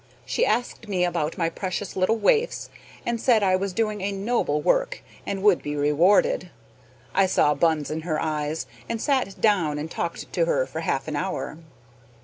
She asked me about my "precious little waifs," and said I was doing a noble work and would be rewarded. I saw buns in her eye, and sat down and talked to her for half an hour.